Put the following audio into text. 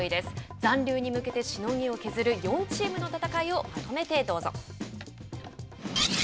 残留に向けてしのぎを削る４チームの戦いをまとめてどうぞ。